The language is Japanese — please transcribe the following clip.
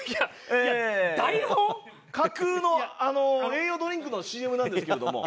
架空の栄養ドリンクのＣＭなんですけれども。